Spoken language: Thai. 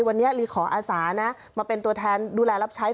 วันนี้ลีขออาสานะมาเป็นตัวแทนดูแลรับใช้